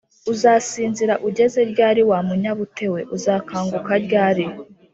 uzasinzira ugeze ryari, wa munyabute we’ uzakanguka ryari’